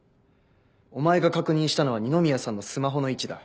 お前が確認したのは二宮さんのスマホの位置だ。